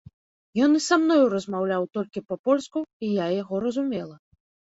Ён і са мною размаўляў толькі па-польску, і я яго разумела.